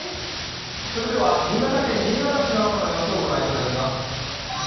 それでは新潟県新潟市の朝の様子をご覧いただきます。